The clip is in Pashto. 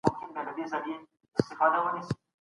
موږ خلګو ته لارښوونه کوله.